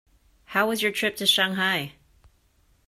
How was your trip to Shanghai?